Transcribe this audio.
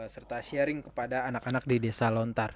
serta sharing kepada anak anak di desa lontar